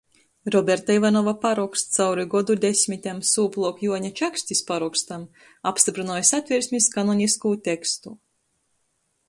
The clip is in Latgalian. Roberta Ivanova paroksts cauri godu desmitem sūpluok Juoņa Čakstis parokstam apstyprynoj Satversmis kanoniskū tekstu.